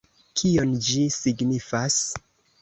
Kion ĝi signifas?